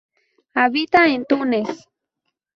Habita en Túnez.